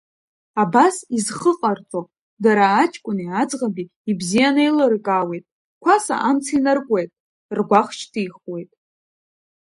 Абас изхыҟарҵо, дара аҷкәыни аӡӷаби ибзианы еилыркаауеит, қәаса амца инаркуеит, ргәаӷ шьҭихуеит.